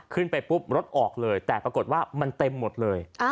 ขึ้นไปปุ๊บรถออกเลยแต่ปรากฏว่ามันเต็มหมดเลย